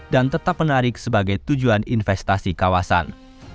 dan tetap menarik sebagai tujuan investasi kawasan